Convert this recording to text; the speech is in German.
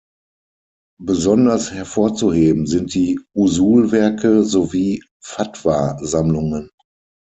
Besonders hervorzuheben sind die Usul-Werke sowie Fatwa-Sammlungen.